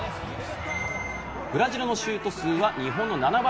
ブラジルのシュート数は日本の７倍。